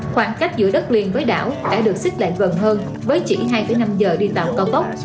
khoảng cách giữa đất liền với đảo đã được xích lại gần hơn với chỉ hai năm giờ đi tàu cao tốc